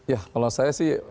ya kalau saya sih